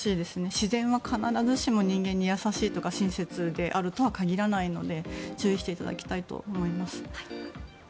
自然は必ずしも人間に優しいというか親切であるとは限らないので注意していただきたいと思います。